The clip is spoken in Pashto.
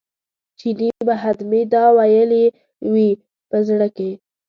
چیني به حتمي دا ویلي وي په زړه کې.